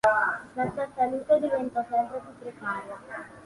La sua salute diventò sempre più precaria.